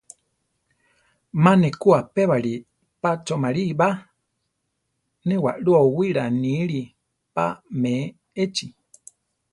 Má ne ku apébali pa choʼmarí ba; né waʼlú owíra níre pa me échi.